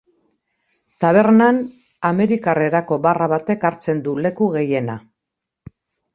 Tabernan, amerikar erako barra batek hartzen du leku gehiena.